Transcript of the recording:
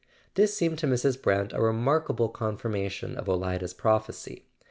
This seemed to Mrs. Brant a remarkable confirmation of Olida's prophecy.